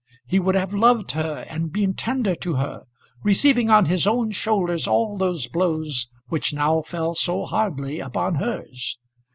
He would have loved her, and been tender to her, receiving on his own shoulders all those blows which now fell so hardly upon hers.